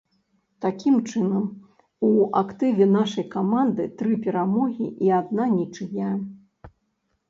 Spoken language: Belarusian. Такім чынам, у актыве нашай каманды тры перамогі і адна нічыя.